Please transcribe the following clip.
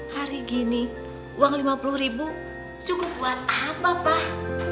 hari gini uang lima puluh ribu cukup buat apa pak